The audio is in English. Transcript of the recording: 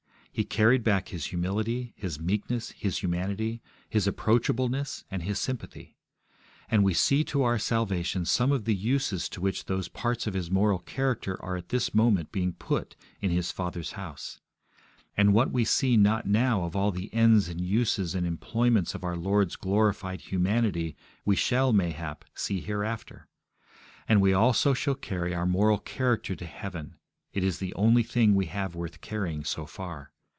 He carried back His humility, His meekness, His humanity, His approachableness, and His sympathy. And we see to our salvation some of the uses to which those parts of His moral character are at this moment being put in His Father's House; and what we see not now of all the ends and uses and employments of our Lord's glorified humanity we shall, mayhap, see hereafter. And we also shall carry our moral character to heaven; it is the only thing we have worth carrying so far.